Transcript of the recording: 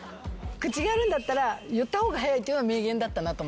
口があるんだったら言った方が早いっていうのは名言だったなと思った。